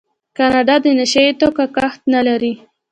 کاناډا د نشه یي توکو کښت نلري.